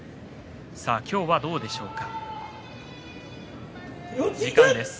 今日はどうでしょうか。